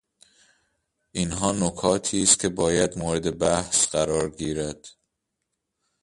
اینها نکاتی است که باید مورد بحث قرار گیرد.